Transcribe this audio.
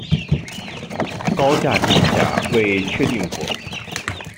高架地下未确定过。